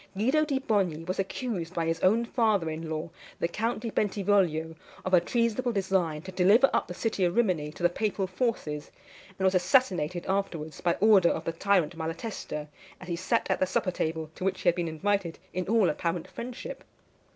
Guido di Bogni was accused by his own father in law, the Count di Bentivoglio, of a treasonable design to deliver up the city of Rimini to the papal forces, and was assassinated afterwards, by order of the tyrant Malatesta, as he sat at the supper table, to which he had been invited in all apparent friendship.